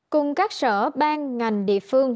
cùng các sở bang ngành địa phương